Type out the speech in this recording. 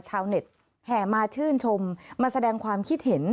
ชาวเน็ตแห่มาชื่นชมมาแสดงความคิดเห็น